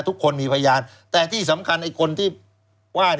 ทุกคนมีพยานแต่ที่สำคัญไอ้คนที่ว่า